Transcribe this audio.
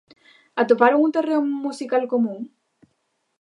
Atoparon un terreo musical común?